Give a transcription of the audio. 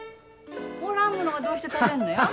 おらん者がどうして食べんのや？